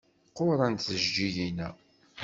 Qqurent tjeǧǧigin-a.